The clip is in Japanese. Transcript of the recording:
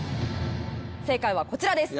正解はこちらです。